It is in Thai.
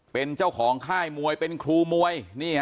เป็นเจ้าของค่ายมวยเป็นครูมวย